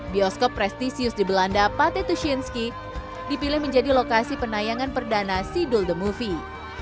bioskop prestisius di belanda pate tushinski dipilih menjadi lokasi penayangan perdana sidul the movie